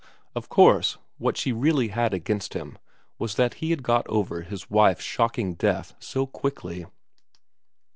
Of course what she really had against him was that he had got over his wife's shocking death so quickly.